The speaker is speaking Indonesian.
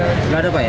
nggak ada apa ya